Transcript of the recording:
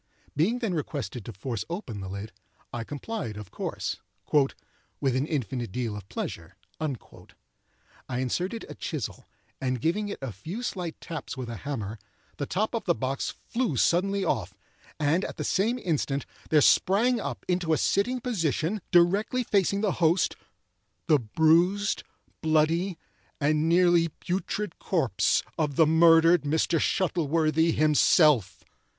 Being then requested to force open the lid, I complied, of course, "with an infinite deal of pleasure." I inserted a chisel, and giving it a few slight taps with a hammer, the top of the box flew suddenly off, and at the same instant, there sprang up into a sitting position, directly facing the host, the bruised, bloody, and nearly putrid corpse of the murdered Mr. Shuttleworthy himself.